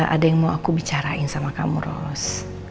ada yang mau aku bicarain sama kamu ros